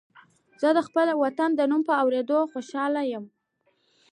زه د خپل وطن د نوم په اورېدو خوشاله یم